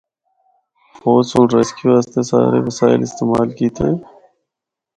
فوج سنڑ ریسکیو اسطے سارے وسائل استعمال کیتے۔